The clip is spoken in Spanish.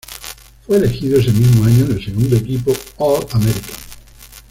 Fue elegido ese mismo año en el segundo equipo All-American.